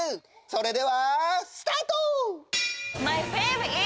それではスタート！